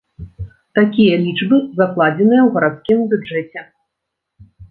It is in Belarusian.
Такія лічбы закладзеныя ў гарадскім бюджэце.